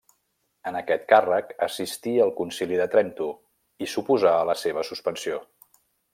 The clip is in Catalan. En aquest càrrec assistí al concili de Trento i s’oposà a la seva suspensió.